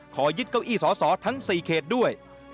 ขอยึดเก้าอี้สอสอทั้ง๔เขตด้วย